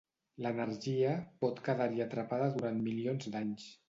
L'energia pot quedar-hi atrapada durant milions d'anys.